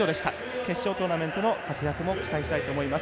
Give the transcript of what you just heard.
決勝トーナメントの活躍も期待したいです。